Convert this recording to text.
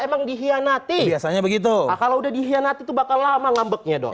emang dihianati biasanya begitu kalau udah dikhianati tuh bakal lama ngambeknya dong